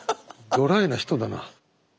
ドライな人だな。